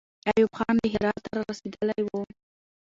ایوب خان له هراته را رسېدلی وو.